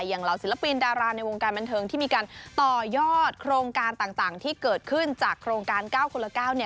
เหล่าศิลปินดาราในวงการบันเทิงที่มีการต่อยอดโครงการต่างที่เกิดขึ้นจากโครงการ๙คนละ๙